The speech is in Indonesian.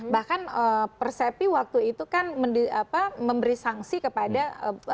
bahkan persepi waktu itu kan memberi sanksi kepada